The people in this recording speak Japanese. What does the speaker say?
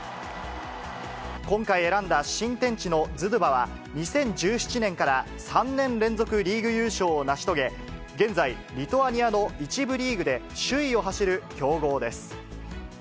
今回、選んだ新天地のズドゥバは、２０１７年から３年連続リーグ優勝を成し遂げ、現在、リトアニアの１部リーグで首位を走る強豪です。